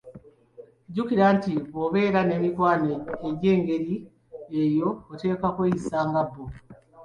"Jjukira nti bw'obeera n'emikwano egyengeri eyo, oteekwa okweyisa nga bo."